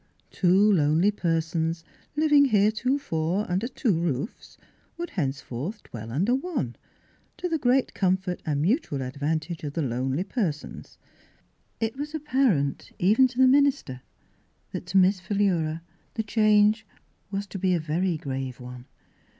Two lonely persons living heretofore under two roofs would hence forth dwell under one, to the great com fort and mutual advantage of the lonely persons. It was apparent, even to the minister, that to Miss Philura the change was to be a very grave one.